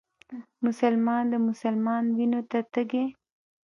مسلمان د مسلمان وينو ته تږی